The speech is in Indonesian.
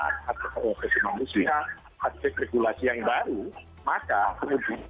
nah untuk yang lain igpj